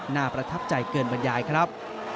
ประทับใจเกินบรรยายครับ